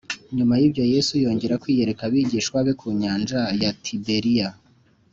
Nyuma y ibyo Yesu yongera kwiyereka abigishwa be ku nyanja ya Tiberiya